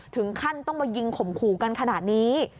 ถึงขั้นต้องมายิงข่มขู่กันขนาดนี้